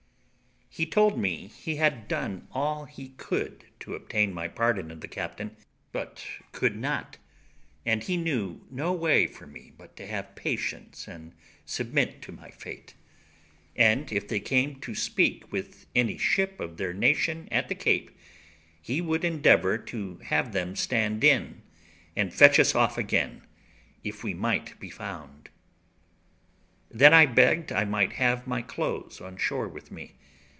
He told me he had done all he could to obtain my pardon of the captain, but could not and he knew no way for me but to have patience, and submit to my fate; and if they came to speak with any ship of their nation at the Cape, he would endeavour to have them stand in, and fetch us off again, if we might be found. Then I begged I might have my clothes on shore with me.